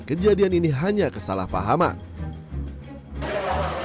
kejadian ini hanya kesalahpahaman